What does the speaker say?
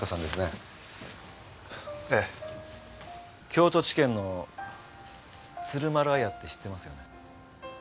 京都地検の鶴丸あやって知ってますよね？